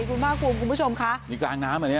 คุณผู้ชมค่ะมีกลางน้ำอ่ะเนี่ย